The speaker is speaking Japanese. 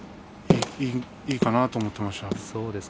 いいかなと思っていました。